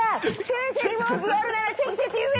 先生に文句があるなら直接言え！